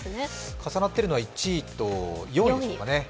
重なっているのは１位と４位でしょうかね。